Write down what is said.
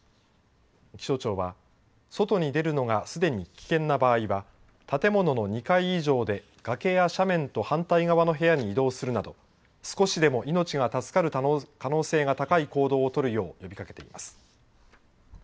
気象庁は外に出るのがすでに危険な場合は建物の２階以上で崖や斜面と反対側の部屋に移動するなど少しでも命が助かる可能性が高い行動を取るよう呼びかけています。